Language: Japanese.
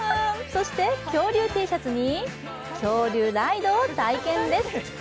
そして恐竜Ｔシャツに恐竜ライドを体験です。